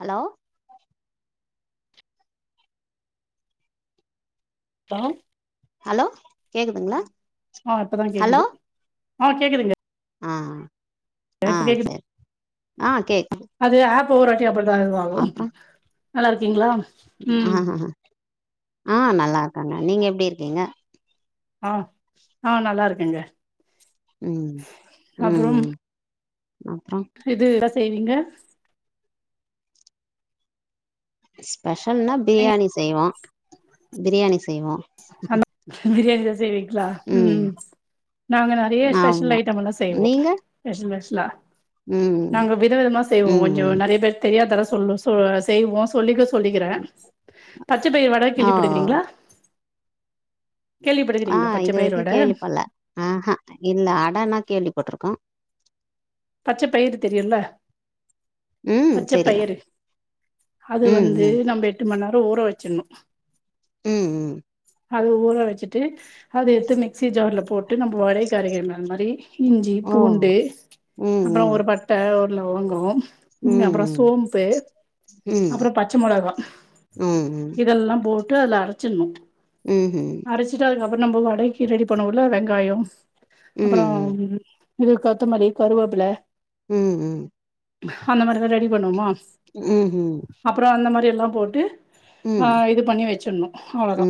Hello ஆ hello கேக்துங்ளா ஆ இப்பதா கேக்குது ஆ கேக்குதுங்க ஆ ஆ இப்ப கேக்குது சேரி ஆ கேக்குது அது ஆப் ஒரு ஒருவாட்டி அப்டிதா இதுவாகு நல்லா இருக்கீங்ளா ஆ அ ஆ நல்லா இருக்காங்க நீங்க எப்டி இருக்கீங்க ஆ அ நல்லா இருக்கங்க ம் ம் அப்றோ இது என்ன செய்வீங்க ஸ்பெஷல்னா நீங்க பிரியாணி செய்வோ பிரியாணி செய்வோ அ பிரியாணி தா செய்விங்க லா ம் நாங்க நறைய ஸ்பெஷல் ஆமா ஐட்டம் எல்லா செய்வோ நீங்க ஸ்பெஷல் ஸ்பெஷலா ம் நாங்க வித விதமா செய்வோ கொஞ்சோ ம் நறைய பேர் தெரியாதர சொல்ல ஆ செய்வோ சொல்லிக்க சொல்லிக்கற பச்ச பயிர் வட ஓ கேள்விபட்றீக்கிங்ளா ஆ பச்ச இது பயிர் வரைக்கு வட கேள்விபடல ஆ அ இந்த அடனா கேள்வி பட்ருக்க பச்ச பயிறு தெரியும்ல ம் பச்ச தெரியு பயிறு அது ம் வந்து ம் நம்ம எட்டு மண நேரோ ஊற வச்சிடணு ம் ம் அது ஊற வச்சிட்டு அது எடுத்து மிக்சி ஜார்ல போட்டு நம்ம வடைக்கு அரைக்கற மாரி இஞ்சி ஓ பூண்டு ம் அப்றோ ம் ஒரு பட்ட ஒரு லவங்கோ ம் அப்றோ சோம்பு ம் அப்றோ பச்ச மெளகா ம் ம் இதெல்லா போட்டு அதுல அரச்டணு ம் ம் அரச்சிட்டு அதுக்கப்றோ நம்ப‌ வடைக்கு ரெடி பண்ணுவோல வெங்காயோ அப்றோம் இது கொத்தமல்லி கருவேப்ல ம் ம் அந்த மாதிரிதா ரெடி பண்வோமா ம் ம் அப்றோ அந்த மாதிரி எல்லா போட்டு ஆ இது பண்ணி வச்டணு அவ்ளோதா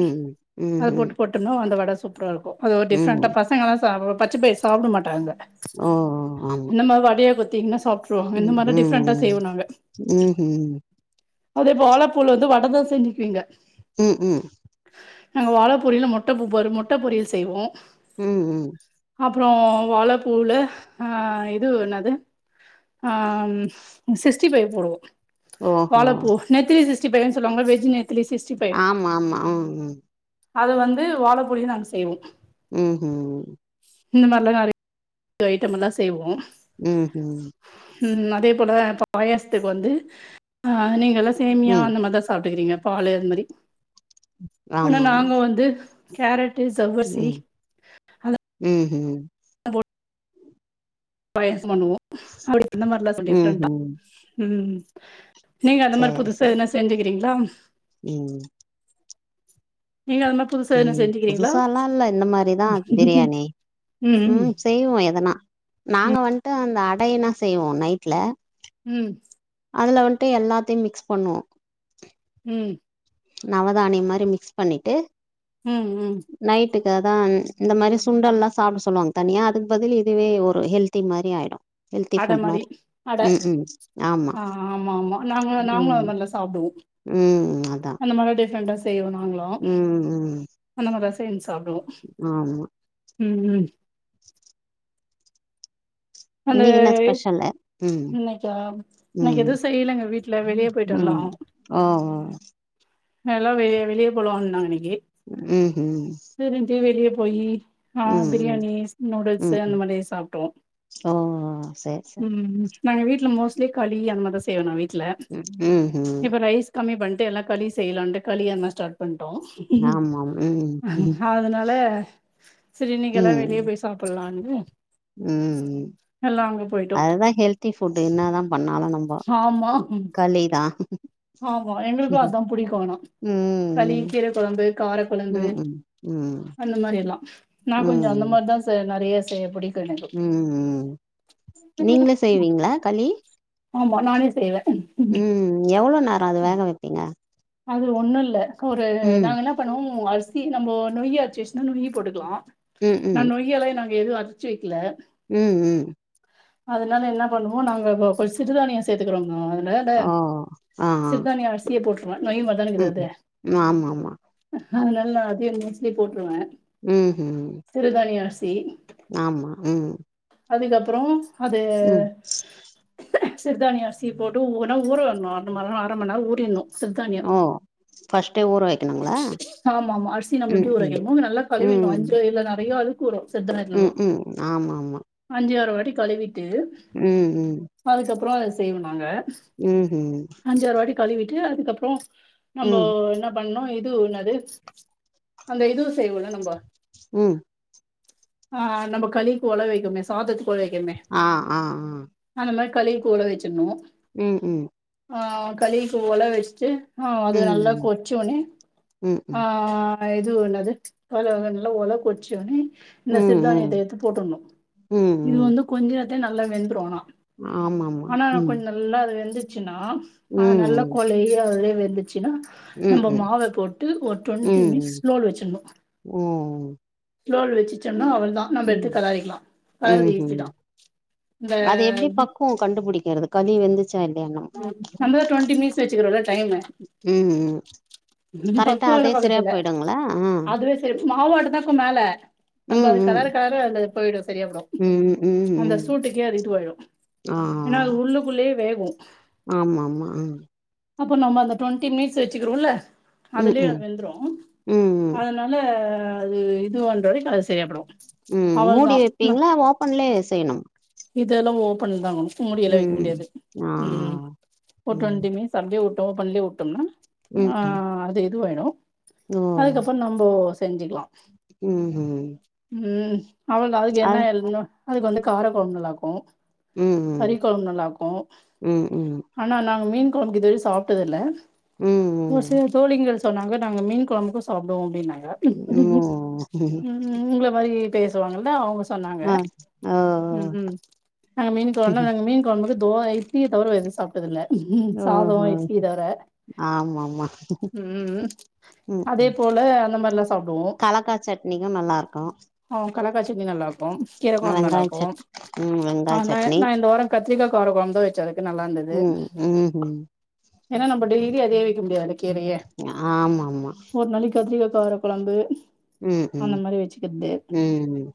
அத போட்டு போட்டணா அந்த வடை சூப்பரா இருக்கு அது ஒரு டிஃப்ரெண்டா பசங்களல்லா சாப் பச்ச பயிறு சாப்பட மாட்டாங்க ஆமா. இந்த மா வடையா கொத்திங்கன்னா சாப்பிட்டுருவாங்க ம், இந்த மாரிலா டிஃப்ரெண்டா ம்ஹ்ம். செய்வோ நாங்க அதே போலப்பூல வந்து வடதா செஞ்சுக்குவீங்க ம் ம் நாங்க வாழ பொரியில மொட்ட பூ பாரு மொட்ட பொரியல் செய்வோ ம் ம் அப்புறோ வாழப்பூல ஆ இது என்னாது ஆ சிக்ஸ்டி ஃபைவ் போடுவோ ஓஹோ! வாழ பூ நெத்திலி சிக்ஸ்டி ஃபைவ்னு சொல்லுவாங்க வெஜ் நெத்திலி சிக்ஸ்டி ஃபைவ் ஆமாமா. ம், அது வந்து வாழ பொடிய நாங்க செய்வோ ம் ம் ம் இந்த மார்லா நெறைய் ஐட்டம் எல்லா செய்வோ ம் ம் ம் அதே போல பாயசத்துக்கு வந்து அ நீங் எல சேமியா ம். அந்த மாதா சாப்ட்டுக்கிறீங்க பாலு அந்த மாரி ஆனா ஆமாமா. நாங்க வந்து கேரட்டு ஜவ்வர்சி ம் ம் அ போ பாயாசோ பண்ணுவோ அப்பிடி அந்த மாரில சோ டிஃப்ரெண்டா ம்ஹ்ம். ம் நீங்க அந்த மாரி சரி, புதுசா சரி. எதுனா செஞ்சுக்கிறீங்களா ம், நீங்க அதுமா ம் புதுசால்லா இல்ல இந்த மாரிதா பிரியாணி ம் செய்வோ எதுனா நாங்க வன்ட்டு அந்த அடைன்னா செய்வோ நைட்ல ம் அதுல வன்ட்டு எல்லாத்தையு மிக்ஸ் பண்ணுவோ ம் நவதானியம் மாரி மிக்ஸ் பண்ணிட்டு ம்ம் நைட்டுக்காதா இந்த மாரி சுண்டல்லா சாப்பிட சொல்லுவாங்க தனியா அதுக்கு பதில் இதுவே ஒரு ஹெல் தி மாரி ஆயிடு ஹெல்த்தி ஃபுட் மாரி அட ம் ம் ஆமா ஆ ஆமா ஆமா நாங்களு நாங்களு ம் அந்த மாரிலா சாப்டுவோ ம் அதா அந்த மாரி டிஃப்ரெண்ட்டா செய்வோ நாங்களு ம் ம் அந்த மாரி சேந் சாப்பிடுவோ ஆமா ம் ம் அந்த இன்னிக்கு என்ன ஸ்பெஷலலு ம் இன்னைக்கா இன்னைக்கு ம் எதுவு செய்யலங்க வீட்ல வெளிய போயிட்டு எல்லா ம் ஓ ஓ நல்லா வெ வெளியே போலுனா இன்னைக்கு ம் ம் சரின்ட்டு வெளிய போய் ஆ ம் பிரியாணி நூடுல்ஸ் ம் ம் அந்த மாரி சாப்பிடுவோ ஓ ஓ சே நாங்க வீட்டல மோஸ்ட்லி களி அந்த மாரி தா செய்வோ நா வீட்ல ம் ம் இப்ப ரைஸ் கம்மி பண்ணிட்டு எல்லா களி செய்யலான்ட்டு களி அந்த மாரி ஸ்டார்ட் பண்ணிட்டோ ம் அதனால சரி இன்னிக்கு எல்லா வெளிய ம் போயி சாப்புலான்னு ம் போயிட்டோ அதுதா ஹெல்த்தி ஃபுட்டு என்னதா பண்ணாலு நம்போ ஆமா களிதா ஆமா எங்களுக்கு அதா புடிக்கு ஆனா ம் களி ம் கீர கொழம்பு கார கொழம்பு ம் ம் அந்த மாரி எல்லாம் நா கொஞ்சோ அந்த ம் மாரிதா செ நெறையா செய்ய புடிக் ம் நீங்க செய்வீங்ளா களி ஆமா நானே செய்வ ம் ம் எவுளோ நேரோ அத வேக வப்பீங்க அது ஒன்னுல்ல ஒரு ம் நாங்க என்ன பண்ணுவோ அரிசி நம்போ நொய்யி அர்ச்சு வச்சிர்ந்தா நொய்யி போட்டுக்குலா ம் நா ம் நொய்யல நாங் எது அர் ச்சு வக்குல ம் ம் அதுனால என்ன பண்ணுவோ நாங்க இப்ப கொஞ் சிறுதானியோ சேத்துக்குறோங்க அதுனால ஓ ஆ ஆ சிற்தானிய அரிசிய போட் ருவ நொய் மாரிதான இர்க்குது ம் அது ம் ஆமா ஆமா அதுனால அதே மோஸ்ட்லி போட்ருவ ம் ஹும் சிறுதானிய அரிசி ஆமா ம் அதுக்கப்புறோ அது ம் சிறுதானிய அரிசிய போட்டு ஒர்னா ஊற விட்ணு அந்த மார்லா அரமண் நேரோ ஊறிர்னு சிற்தானியோ ஓ ஃபர்ஸ்ட்டே ஊற வைக்கணுங்களா ஆமா ஆமா அரிசி நம்ம எப்டி ம் ஊற ம் வைக்குண்மோ நல்லா கழுவிர்னு ம் அஞ்சு இல்ல நெறையா அளவு ஊறு சிற்தா ம் ம் ஆமா ஆமா அஞ்சு ஆறு வாட்டி கழுவிட்டு ம் ம் அதுக்கப்புறோ அதுல செய்வு நாங்க ம் ஹும் அஞ்சாறு வாட்டி கழுவிட்டு அதுக்கப்றோ நம்போ ம் என்ன பண்ணூ இது என்னது அந்த இது செய்வோல நம்ப ம் ஆ நம்ம களிக்கு ஒழ வைக்குமே சாதத்துக்கு ஒழ வைக்குமே ஆ ஆ ஆ அந்த மாரி களிக்கு ஒல வச்சிர்ணு ம் ம் ஆ களிக்கு ஓல வச்ட்டு ஆ அது நல்லா ம் கொச் ஒனே ம் ம் ஆ ஆ இது என்னது களு நல்லா ஒல கொச்சோட்னே இந்த ம் ம் சிற்தானியத்த எட்த்து போட்ர்னு ம் இது வந்து கொஞ்சோ நேர்த்துலே நல்லா வெந்துரு ஆனா ஆமா ஆமா ஆனா ம் கொஞ்ச நல்லா வெந்துச்சுனா அது நல்ல ம். கொலைறவரே வெந்துச்சுனா நம்ம ம்ஹ்ம். மாவ போட்டு ஒரு டொண்ட்டி ம். மினிட்ஸ் ம். ஸ்லோல வச்சிர்ணு ஓ! ஸ்லோல வச்சுட்சோம்னா அவுள்தா நம்ம எடுத்து கெளறிக்கலா ம் கெளறது ஈஸி ஹும் தா இந்த அது எப்டி பக் குவோ கண்டுபுடிக்கிறது களி வெந்துர்ச்சா இல்லையாணு அதா டொண்ட்டி மினிட்ஸ் வச்சுக்கிறோல டைமு ம், ம். கரெக்ட்டா பக்குவோல அதே சரியா பாக்கறதுல போயிடுங்களா? ஆ. அதுவே சேரி மாவாட்டுதா இர்க்கு மேல நம்ம ம், அது ம். கலர் கலரா அது போய்டு சரியாபுரு ம், ம், அந்த ம். சூட்டுக்கே அது இது வாய்டு ஆ ஏன்னா அது உள்ளுக்குள்ளேயே வேகு ஆமா ஆமா ஆ அப்போ நம்ம அந்த டுவெண்டி மினிட்ஸ் வச்சுக்கிறோம்ல அதுலயே ம்ஹ்ம். வெந்துடு ம், ம். அதனால நல்ல அது இது பண்ற வரைக்கு அது சரியாப்போய்டு ம் மூடி வெப்பீங்ளா அத ஓபன்லயே செய்யனு இதெல்லா ஓப்பன் தா மேம் மூடியில வெக்க ம். முடியாது ஆ. ம் ஒரு ம். ட்வென்டி மினிட்ஸ் அப்டே ஓபன் விட்டமுனா ஆ ம்ஹ்ம். அது இதுவாயிடு ஓ! அதுக்கப்பறோ நம்போ செஞ்சுக்கலா ம் ம் ம் அவ்வள அதுக்கு என்ன எ அதுக்கு வந்து கார கொழம்பு நல்லாருக்கு ம், ம். கறிக்கொழம்பு நல்லா இருக்கு ம், ம். ஆனா நாங்க மீன் கொழம்பு இதுவரை சாப்ட்டது இல்ல ம், ஒரு ம். சில தோழிங்கள் சொன்னாங்க நாங்க மீன் கொழம்புக்கு சாப்டுவோ அப்டினாங்க உம் ம் ம் உங்கள மாரி பேசுவாங்கன்தா அவுங்க சொன்னாங்க ஆ ஓ ம்ம் நாங்க மீன் குழ நாங்க மீன் கொழம்புக்கு தோ இட்லிய தவர வேற எது சாப்ப ல்ல சாதோ இட்லிய தவர ஆமா ஆமா ம் ம் அதே போல அந்த மாதிரிலா சாப்டுவோ கலாக்கா சட்னிக்கு நல்லா இருக்கு ஆ கலாக்கா சட்னி நல்லா இருக்கு கீரக் கொழம்பு நல்லா வெங்காய சட் இருக்கு ம் ஆ வெங்காய சட்னி நா இந்த வார கத்திரிக்கா கார கொழம்புந்தா வச்ச அதுக்கு நல்லா இருந்தது ம் ம் ம் ஏன்னா நம்ம டெல்லியு அதேயே வக்க முடியாதுல கீரயே ஆமாமா ஒரு நாளைக்கு கத்திரிக்கா கார கொழம்பு ம் அந்த ம் மாரி வச்சுக்கிறது ம்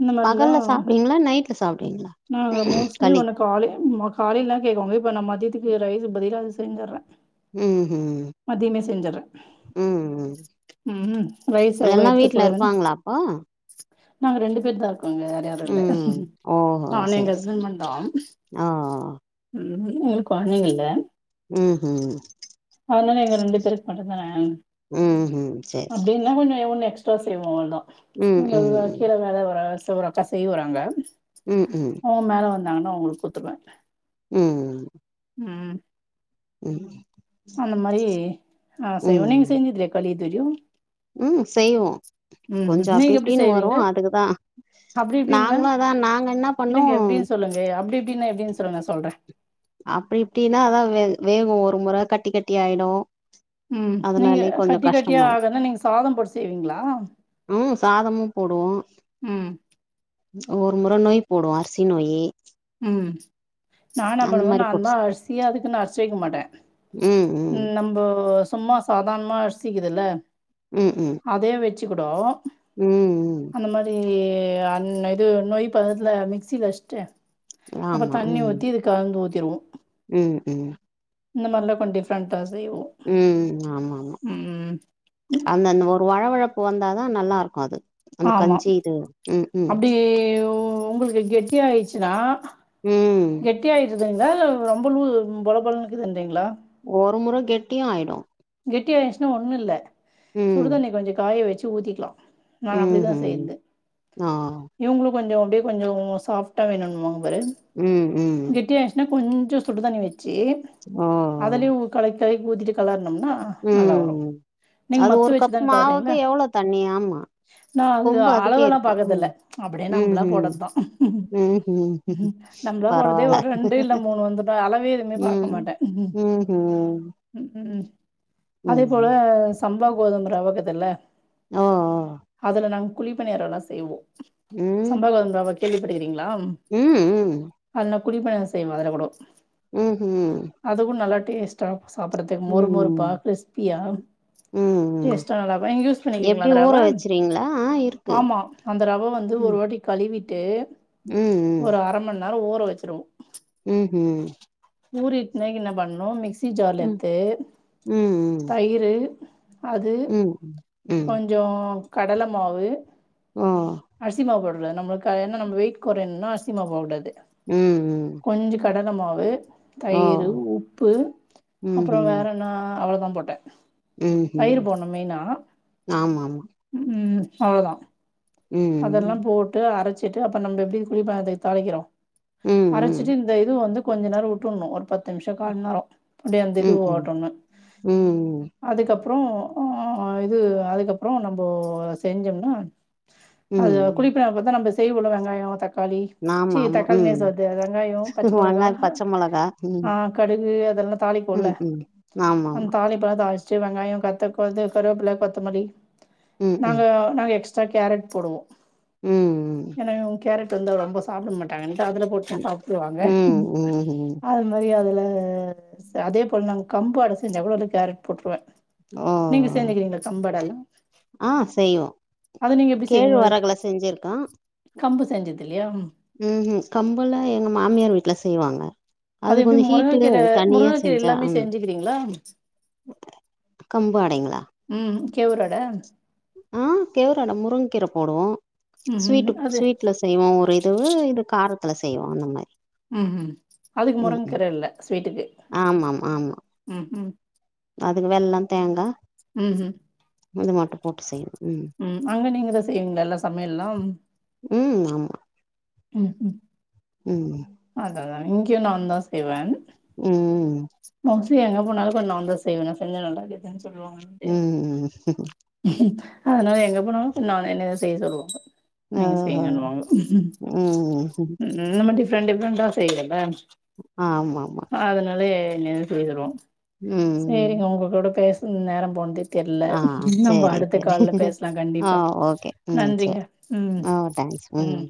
இந்த மாரிலா பகல்ல சாப்டுவீங்ளா நைட்ல சாப்டுவீங்ளா நாங்க மோஸ்ட்லி ஒனக்கு காலேயில்லா காலேல்ல கேட்கோங்க இப்ப நா மதியத்துக்கு ரைஸ்க்கு பதில் அது செரிஞ்சர்றே ம்ஹும் மதியமே செஞ்சறே ம் ம் ரைஸ் அவ்வளவு எல்லா எடுத்து வீட்ல கூடாதுன்னு இருப்பாங்களா அப்போ நாங்க ரெண்டு பேர் தா இருக்கோங்க வேர யாரு இல்ல ம் ஓஹோ நானு எங்க சேரி சேரி ஹஸ்பண்ட் மட்டுந்தா ஓ ம் எங்களுக்கு கொழைந்தங்க இல்ல ம் ம் அதனால எங்க ரெண்டு பேருக்கு மட்டுந்தான ம்ஹும் சேரி சேரி அப்டின்னா கொஞ்சோ ஒன்னு சுத்தம் செய்வோ அவ்ளதா ம் உங்க ம் ம் கீழே மேல ஒரு சர அக்கா செய் வறாங்க ம் ம் மேல வந்தாங்கன்னா அவுங்களுக்கு குடுத்துருவே ம் ம் உம் அந்த மாரி ஆ செய்வே நீங்க செஞ்சது இல்லயா களி இதுவரையு ம் செய்வோ கொஞ்சோ அப்டி நீங்க எப்டி இப்டின்னு வரு செய்வீங்க அதுக்குதா அப்டி இப்டின்னா நாங்களு அதா நாங்க என்னா பண்ணோ து அப்டி இப்டின்னா எப்டின் சொல்லுங்க சொல்றே அப்டி இப்டின்னா அதான் வே வேகும் ஒரு முற கட்டி கட்டி ஆயிடும் ம் நீங்க கட்டி கட்டியா ஆகனா நீங்க சாதம் போட்டு செய்வீங்கிளா ம் சாதமும் போடுவோம் ம் ஒரு முற நொய் போடுவ அரிசி நொயி ம் நா என்னா அந்த பண்ணுவன் மாரி போட்டு நான்தா அரிசியா அதுக்குன் அரிசி வைக்க மாட்டன் ம் நம் போ சும்மா சாதாரணமா அரிசி கீதுல்ல ம் ம் அதே வச்சிக்கூடோ ம் ம் அந்த மாரி ஏ அன் இது நொய் பதத்துல மிக்ஸில அஸ்ட்டு அப்ப ஆமா தண்ணி ம் ஊத்தி இது கலந்து ஊத்திருவோம் ம் ம் இந்த மார்லா கொஞ்சம் டிஃப்ரண்ட்டா செய்வோ ம் ஆமா ஆமா ம் அந்தந்த ஒரு வழவழப்பு வந்தாதா நல்லா இருக்கும் அது அந்த ஆமா கஞ்சி இது ம் ம் அப்டி ஒங்களுக்கு கெட்டி ஆயிருச்சினா ம் கெட்டி ஆயி ருதுங்கிளா இல்ல ரொம்ப லூஸ் பொல பொலன்னுக்கீதுன்றிங்கிளா ஒரு முற கெட்டியும் ஆயிடும் கெட்டி ஆயிச்சின்னா ஒண்ணும் இல்ல ம் சுடு தண்ணி கொஞ்சம் காய வச்சி ஊத்திக்கிலா நானு அப்டி தா ம்ஹ்ம் செய்யந்து ஆ இவங்களும் கொஞ்சம் அப்டே கொஞ்சம் சாஃப்ட்டா வேணுன்னுவாங்க பாரு ம் ம் இன்னும் கொஞ்சோ சுடு தண்ணி வச்சி ஆ அதலே ஊ கல கலக்கி ஊத்திட்டு களரணும் நல்லா ம் வரும் நீங்க அது மத்து ஒரு வச்சி கப் தானா கறீங்க மாவுக்கு எவ்ளோ தண்ணி ஆமா நா வந்து கொம்பு அதுக்கே அளவெல்லாம் இருக்கு பாக்கறதில்ல ம் அப்டே நம்பளா ம்ஹ்ம் போடதா ம்ஹ்ம் நம்பளா போறதே பரவால்ல ஒரு ரெண்டு இல்ல மூணு வந்துடும் அளவே எதுவுமே பாக்க ம் மாட்டன் ம்ஹ்ம் ம் ம் அதே போல ம் சம்பா கோதும ரவ கீதுல்ல ஓ அதுல நாங்க குழிப்பணியாரல்லாம் செய்வோம் ம் சம்பதந்தவா கேள்விப்பட்டுக்கிறீங்ளா ம் ம் அதுல நா குழிப்பணியாரம் செய்வ அதல்ல கூடும் ம்ஹூ அதுவும் நல்லா டேஸ்ட்டா சாப்பறதுக்கு மொறு ம் மொறுப்பா கிறிஸ்ப்பியா ம் ம் டேஸ்ட்டா நல்லாதா யூஸ் பண்ணிக்கிறீங்கிளா எப்டி அந்த ஊற ரவ வச்சுருவீங்களா ஆ இருக்கு ஆமா அந்த ரவ வந்து ஒரு ம் வாட்டி கழுவிட்டு ம் ஒரு அர மண் நேரம் ஊற வச்சிருவோ ம்ஹூ ஊரிட்டுனாக்க என்ன பண்ணனும் மிக்சி ஜார்ல எத்து ம் ம் தயிறு அது ம் ம் ம் கொஞ்சோ கடல மாவு ஓ அரிசிமாவு போட கூடாது நம்மளுக்கு அது என்ன நம்ப வெயிட் கொறையணுன்னா அரிசி மாவு போட கூடாது ம் ம் கொஞ்சம் கடல மாவு, ஓ தயிரு, உப்பு அப்புறம் ம்ஹ்ம் வேற என்னா அவ்வளோதான் போட்டேன் ம்ஹ்ம் தயிர் போனும் மெயினா ஆமாமா ம் அவ்வளோதான் ம் அதெல்லாம் போட்டு அரச்சிட்டு அப்றோ நம்ம எப்டி குளிப்பதை தளைக்கிறோம் ம் ம் அரச்சிட்டு இந்த இது வந்து கொஞ்ச நேரம் வுட்ரணும் ஒரு பத்து நிமிஷம் கால் மண் நேரொ அப்டி அந்த இது ப ம் ம் ஓடுங்க ம் அதுக்கப்புறம் ஒ இது அதுக்கப்புறம் நம்போ செஞ்சோம்னா அது ம் குளிப்பென பாத்தா நம்ம செய்வோலா வெங்காயோ தக் காளி சீ ஆமாமா தக்காளி நேஸ் ம் வது வெங்காயொ பச்ச மிளகா வெங்காயம் பச்ச மொளகா ம் ஆ கடுகு அதெல்லாம் தாலிப்போம்ல ம் ம் அந்த ஆமாமா தாலிப் பு எல்லாம் தாலிச்சுட்டு வெங்காயொ கத்த கது கருவேப்புல கொத்தமல்லி ம் நாங்க ம் நாங்க எக்ஸ் ட்ரா கேரட் போடுவோம் ம் ஏனா அவுங் கேரட் வந்தா ரொம்ப சாப்ட மாட்டாங்கன்னட்டு அதுல போட்டு ம் சாப்டுருவாங்க ம் ம்ஹ்ம் அது மாரி அதுல அதே போல் நாங்க கம்பு அட செஞ்சா கூட அதுல் கேரட் போட்டுருவேன் ஓ நீங்க செஞ்சுக்கிறீங்ளா கம்பு அடையும் ஆ செய்வோம் செய்வீங்கள் கம்பு செஞ்சது இல்லையா ம் ம் கம்பலா எங்க மாமியார் வீட்ல செய்வாங்க அது எப்டி கொஞ்சம் ஹீட்டூ முருங்கக்கீர தனியா முருங்கக்கீர செஞ்சா எல்லாமே ம் செஞ்சுக்கிறீங்களா கம்பு அடைங்களா ம் கேவுரடா ஆ கேவுரட முருங்க கீர போடுவோம் ம் ம் ஸ்வீட்டு அது ஸ்வீட்லஸ் செய்வோம் ஒரு இதுவு இது காரத்துல செய்வோம் அந்த மாரி ம் ம் அதுக்கு ம் முரங்கு ம் கர இல்ல ஸ்வீட்டுக்கு ஆமாம் ஆமா ம் ம் அதுக்கு வெள்ளம் தேங்கா ம் ம் இது மட்டும் போட்டு செய்யணும் ம் ம் அங்க நீங்கதான் செய்வீங்ளா எல்லா சமையல்லாம் ம் ஆமா ம் ம் ம் ம் அதா அதான் இங்கயும் நான் தான் செய்வேன் ம் மோஸ்ட்லி எங்க போனாலும் கொஞ்ச நா தா செய்வேன் செஞ்சா நல்லா இருக்குதுன்னு சொல்லுவாங்க ம் ம் அதனால எங்க போனலும் நானே என்னதா செய்ய சொல்லுவாங்க நீங்க ஓஹோ செய்யுங்க குனுவாங்க ம் நம்ம டிஃப்ரெண்ட் டிஃப்ரெண்டா செய்றேல்ல ஆமா ஆமா அதனால என்ன பேருவோம் ம் சேரிங்க உங்க கூட பேசுன நேரொம் போனதே தெர்ல ஆ நம்ப சேரி அடுத்த சேரி கால்ல பேஸ்லா ஆ கண்டிப்பா ஓகே ம் நன்றிங்க சேரி ம் ஓ தேங்க்ஸ் ம்